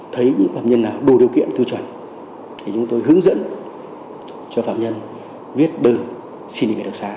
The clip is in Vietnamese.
thấy những phạm nhân nào đủ điều kiện tiêu chuẩn thì chúng tôi hướng dẫn cho phạm nhân viết đơn